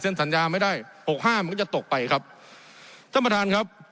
สัญญาไม่ได้หกห้ามันก็จะตกไปครับท่านประธานครับ